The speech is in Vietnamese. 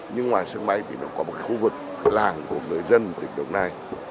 nhưng ngoài sân bay thì nó có một khu vực cửa làng của người dân tỉnh đồng nai